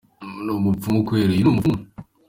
Ni Umupfumu kweri? Uyu ni Umupfumu.